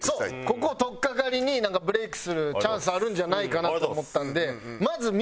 ここを取っかかりになんかブレイクするチャンスあるんじゃないかなと思ったんでまず見せてもらおうかなと。